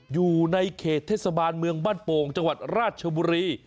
อยู่ในเขตเทศบาลเมืองบ้านโป่งจังหวัดราชบุรี